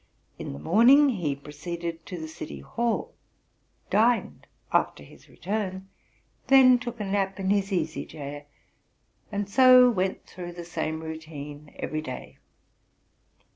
In the morning he proceeded to the city hall, dined after his return, then took a nap in his easy chair, and so went through the same routine every day.